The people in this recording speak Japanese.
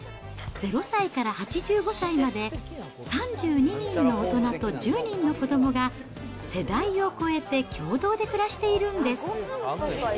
０歳から８５歳まで、３２人の大人と１０人の子どもが世代を超えて共同で暮らしているんです。